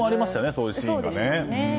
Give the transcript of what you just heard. そういうシーンが。